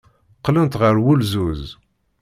Qqlent ɣer wulzuz.